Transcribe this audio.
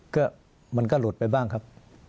ก็มันก็หลุดไปบ้างครับ